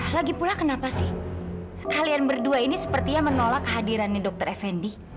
lagipula kenapa sih kalian berdua ini sepertinya menolak hadirannya dokter fnd